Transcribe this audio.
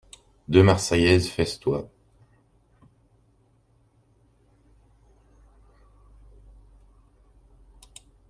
Deux marseillaises festoient.